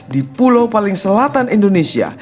di pulau paling selatan indonesia